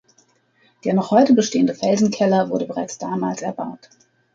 Der noch heute bestehende Felsenkeller wurde bereits damals erbaut.